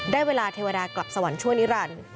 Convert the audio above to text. ได้เวลาเทวดากลับสวรรค์ชั่วนิรันดิ์